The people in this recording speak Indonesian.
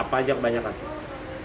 apa aja kebanyakan